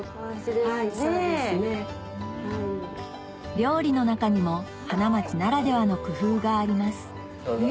料理の中にも花街ならではの工夫がありますえ